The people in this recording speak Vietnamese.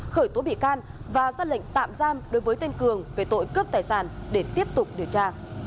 khởi tố bị can và ra lệnh tạm giam đối với tên cường về tội cướp tài sản để tiếp tục điều tra